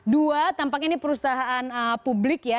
dua tampaknya ini perusahaan publik ya